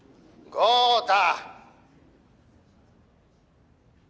「豪太！